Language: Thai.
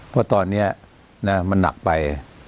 เพราะตอนนี้มันหนักไป